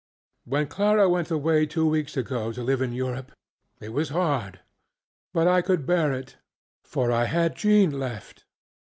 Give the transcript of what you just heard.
When Clara went away two weeks ago to live in Europe, it was hard, but I could bear it, for I had Jean left.